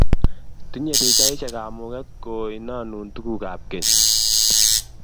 tinyei pichaisiek kamuget ko inonun tugukab keny